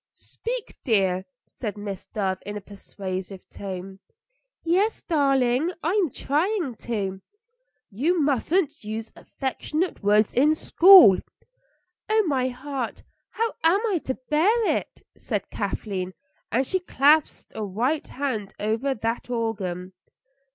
"Speak, dear," said Miss Dove in a persuasive tone. "Yes, darling, I'm trying to." "You mustn't use affectionate words in school." "Oh, my heart! How am I to bear it?" said Kathleen, and she clasped a white hand over that organ.